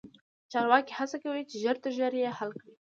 چارواکي هڅه کوي چې ژر تر ژره یې حل کړي.